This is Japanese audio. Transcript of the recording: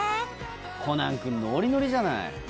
コナン君、ノリノリじゃない。